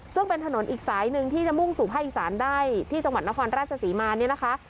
ซึ่งเป็นถนนอีกสายหนึ่งที่จะมุ่งสู่ภาคอีสานได้ที่จังหวัดนครราชศรีมาเนี่ยนะคะ